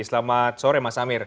selamat sore mas amir